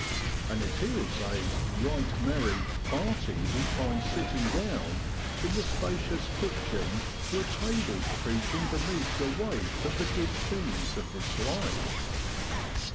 ' And it is a * right merry' party we find sitting down in the spacious kitchen to a table creaking beneath the weight of the good things of this life.